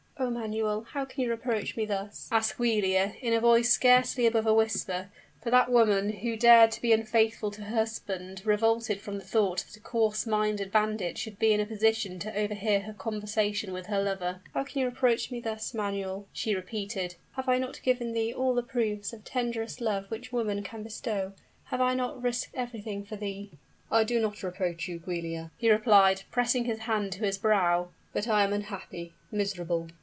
"Oh! Manuel how can you reproach me thus?" asked Giulia, in a voice scarcely above a whisper; for that woman who dared be unfaithful to her husband revolted from the thought that a coarse minded bandit should be in a position to overhear her conversation with her lover: "how can you reproach me thus, Manuel?" she repeated; "have I not given thee all the proofs of tenderest love which woman can bestow? Have I not risked everything for thee?" "I do not reproach you, Giulia," he replied, pressing his hand to his brow, "but I am unhappy miserable!"